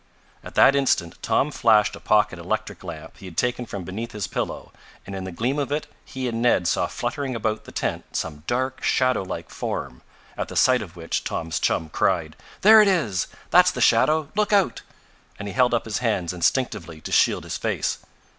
At that instant Tom flashed a pocket electric lamp he had taken from beneath his pillow and in the gleam of it he and Ned saw fluttering about the tent some dark, shadow like form, at the sight of which Tom's chum cried: "There it is! That's the shadow! Look out!" and he held up his hands instinctively to shield his face.